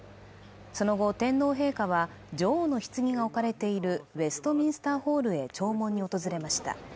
その後天皇陛下は女王の棺が置かれているウェストミンスターホールへ弔問に訪れました